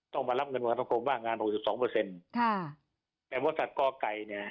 ต้องมารับเงินของการทำคมบ้างงานหกสิบสองเปอร์เซ็นต์ค่ะแม้ว่าสัตว์ก่อไก่เนี่ย